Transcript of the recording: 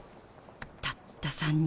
たった３人。